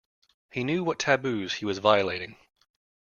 He knew what taboos he was violating.